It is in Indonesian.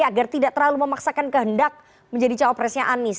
agar tidak terlalu memaksakan kehendak menjadi cawapresnya anies